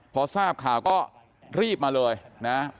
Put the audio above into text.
พอทราบข่าวก็รีบมาเลยนะ